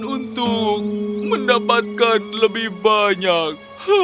untuk mendapatkan lebih banyak